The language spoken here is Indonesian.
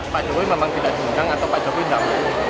pak jokowi memang tidak diundang atau pak jokowi tidak mau